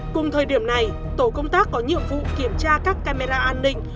cùng thời điểm này tổ công tác có nhiệm vụ kiểm tra các camera an ninh